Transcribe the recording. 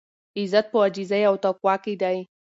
عزت په عاجزۍ او تقوا کې دی.